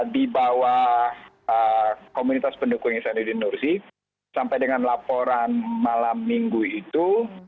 di bawah komunitas pendukung isanuddin nursi sampai dengan laporan malam minggu itu